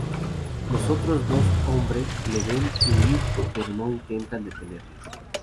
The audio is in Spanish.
Los otros dos hombre le ven huir pero no intentan detenerle.